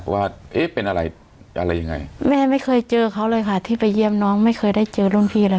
ว่าเอ๊ะเป็นอะไรอะไรยังไงแม่ไม่เคยเจอเขาเลยค่ะที่ไปเยี่ยมน้องไม่เคยได้เจอรุ่นพี่เลย